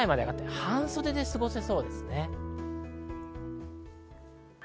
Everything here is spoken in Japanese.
半袖で過ごせそうです。